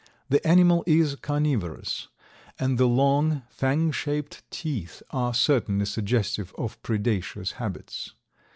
The animal is carnivorous, and the long, fang shaped teeth are certainly suggestive of predaceous habits.